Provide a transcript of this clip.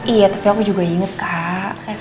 iya tapi aku juga inget kak